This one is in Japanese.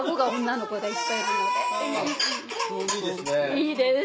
いいですね。